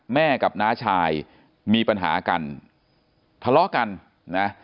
แม่กับน้าชายมีปัญหากันทะเลาะกันนะ